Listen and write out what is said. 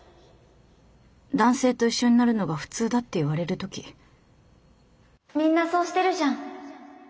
男性と一緒になるのが普通だって言われる時みんなそうしてるじゃん。